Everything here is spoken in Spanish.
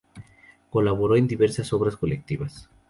Colaboró en diversas obras colectivas.